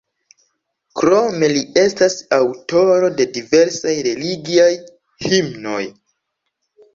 Krome li estas aŭtoro de diversaj religiaj himnoj.